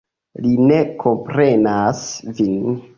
Li ne komprenas vin?